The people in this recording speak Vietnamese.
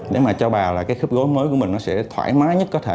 nếu mà cho bà là cái khớp gối mới của mình nó sẽ thoải mái nhất có thể